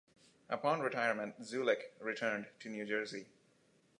Upon retirement, Zulick returned to New Jersey.